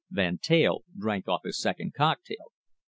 Van Teyl drank off his second cocktail.